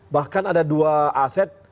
bahkan ada dua aset